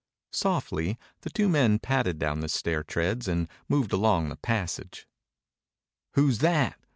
Softly the two men padded down the stair treads and moved along the passage. "Who's that?"